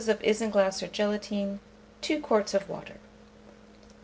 of isinglass or gelatine, 2 quarts of water.